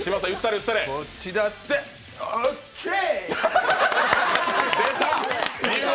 こっちだって、オッケー！！